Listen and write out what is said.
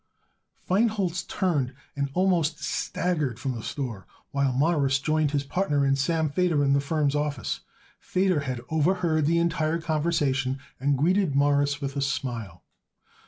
Feinholz turned and almost staggered from the store, while Morris joined his partner and Sam Feder in the firm's office. Feder had overheard the entire conversation and greeted Morris with a smile.